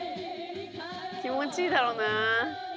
気持ちいいだろうな。